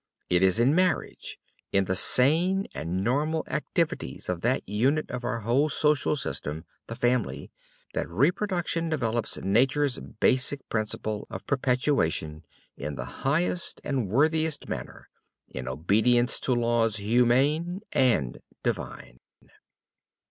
It is in marriage, in the sane and normal activities of that unit of our whole social system the family that reproduction develops nature's basic principle of perpetuation in the highest and worthiest manner, in obedience to laws humane and divine.